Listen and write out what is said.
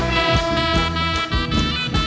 กลับไปที่นี่